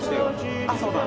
あっそうだ。